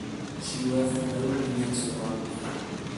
She left no immediate survivors.